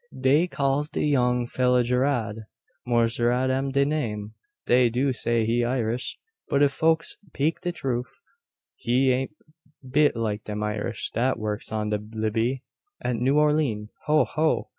"Dey calls de young fella Jerrad. Mors Jerrad am de name. Dey do say he Irish, but if folks 'peak de troof, he an't bit like dem Irish dat works on de Lebee at New Orlean. Ho, ho!